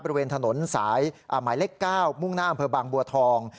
บริเวณถนนสายหมายเลข๙มุ่งหน้าอำเภอบางบัวทอง